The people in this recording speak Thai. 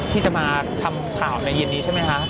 ที่จะมาทำข่าวในเย็นนี้ใช่ไหมคะ